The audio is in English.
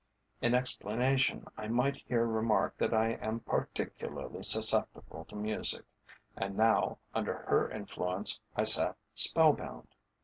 In explanation I might here remark that I am particularly susceptible to music, and now, under her influence, I sat spell bound.